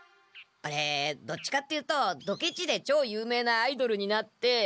オレどっちかって言うとドケチでちょう有名なアイドルになって。